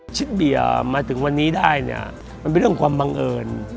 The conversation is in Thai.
เบียร์มาถึงวันนี้ได้เนี่ยมันเป็นเรื่องความบังเอิญ